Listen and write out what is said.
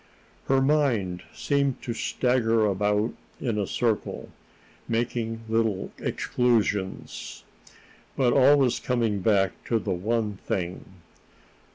Her mind seemed to stagger about in a circle, making little excursions, but always coming back to the one thing.